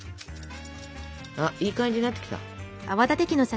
あっいい感じになってきた。